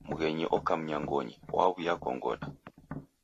Mghenyi oka mnyangonyi, waw'iakongoda